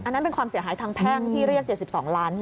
นั่นเป็นความเสียหายทางแพ่งที่เรียก๗๒ล้าน